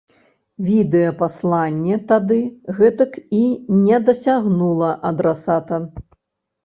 Відэапасланне тады гэтак і не дасягнула адрасата.